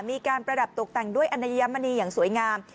ประดับตกแต่งด้วยอัญมณีอย่างสวยงาม